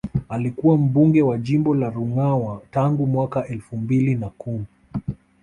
Alikuwa mbunge wa jimbo la Ruangwa tangu mwaka elfu mbili na kumi